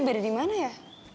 beda dimana ya